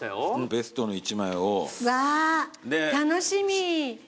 ベストの一枚を。わ楽しみ。